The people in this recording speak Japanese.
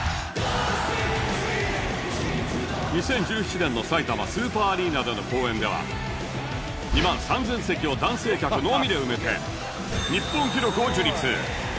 ２０１７年のさいたまスーパーアリーナでの公演では２万３０００席を男性客のみで埋めて日本記録を樹立